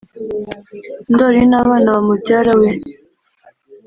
ndoli n’abana bamubyara we